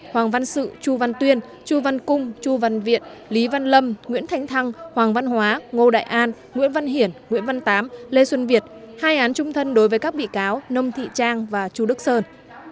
hoàng văn sự chu văn tuyên chu văn cung chu văn viện lý văn lâm nguyễn thanh thăng hoàng văn hóa ngô đại an nguyễn văn hiển nguyễn văn tám lê xuân việt hai án trung thân đối với các bị cáo nông thị trang và chu đức sơn